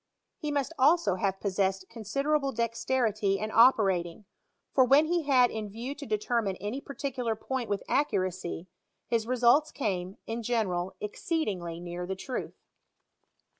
He must also have possessed considerable dexterity in operating, for when he had in view to determine any particular point with accuracy, his results came, in general, exceedingly near the truth.